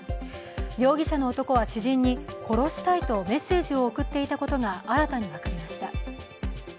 容疑者の男は知人に、殺したいとメッセージを送っていたことが新たに分かりました。